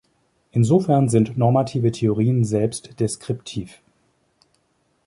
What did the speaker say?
Insofern sind normative Theorien selbst deskriptiv.